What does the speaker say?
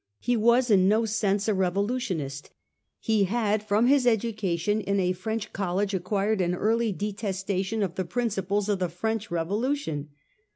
He was in no sense a revolutionist. He had from his education in a French college acquired an early detestation of the principles of the French Revolu tion.